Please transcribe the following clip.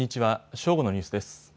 正午のニュースです。